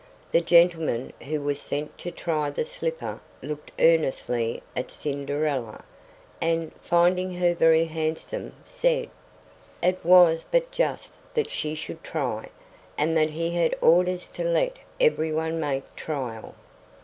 The gentleman who was sent to try the slipper looked earnestly at Cinderella, and, finding her very handsome, said: It was but just that she should try, and that he had orders to let everyone make trial.